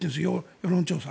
世論調査。